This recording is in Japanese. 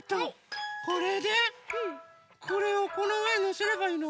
これでこれをこのうえにのせればいいの？